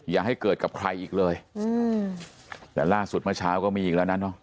อย่าให้เกิดกับใครอีกเลยอืมแต่ล่าสุดเมื่อเช้าก็มีอีกแล้วนะเนอะ